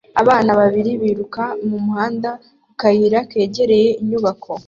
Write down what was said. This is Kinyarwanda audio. Abana babiri biruka mu muhanda ku kayira kegereye inyubako